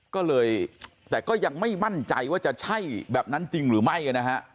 ก็เลยแต่ก็ยังไม่มั่นใจว่าจะใช่แบบนั้นจริงหรือไม่นะฮะ